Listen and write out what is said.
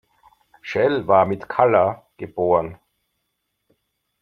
Schell war mit Calla geb.